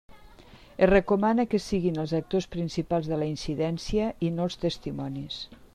Es recomana que siguen els actors principals de la incidència i no els testimonis.